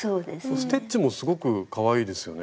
ステッチもすごくかわいいですよね